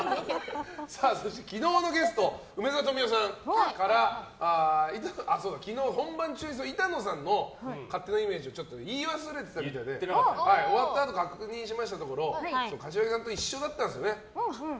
そして昨日のゲスト梅沢富美男さんから昨日、本番中に板野さんの勝手なイメージを言い忘れてたみたいで終わったあと確認しましたところ柏木さんと一緒だったんですよね。